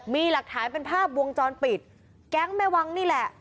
มีหลักฐานเป็นภาพวงจรปิดแก๊งแม่วังนี่แหละ